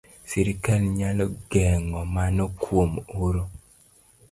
Sirkal nyalo geng'o mano kuom oro